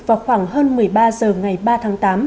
vào khoảng hơn một mươi ba h ngày ba tháng tám